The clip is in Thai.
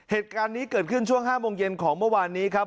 เหตุการณ์นี้เกิดขึ้นช่วง๕โมงเย็นของเมื่อวานนี้ครับ